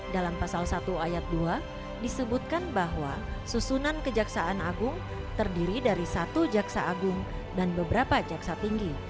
dalam pasal satu ayat dua disebutkan bahwa susunan kejaksaan agung terdiri dari satu jaksa agung dan beberapa jaksa tinggi